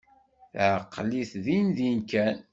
Teɛqel-it dindin kan.